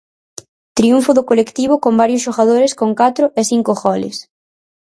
Triunfo do colectivo con varios xogadores con catro e cinco goles.